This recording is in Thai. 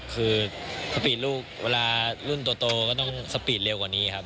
คือสปีดลูกเวลารุ่นโตก็ต้องสปีดเร็วกว่านี้ครับ